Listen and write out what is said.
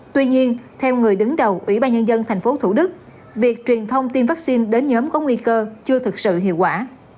tuy nhiên theo người đứng đầu ủy ban nhân dân tp thủ đức việc truyền thông tiêm vaccine đến nhóm có nguy cơ chưa thực sự hiệu quả